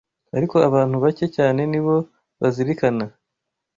Ariko abantu bake cyane ni bo bazirikana